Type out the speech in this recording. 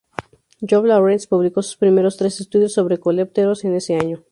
John Lawrence publicó sus primeros tres estudios sobre coleópteros en ese año.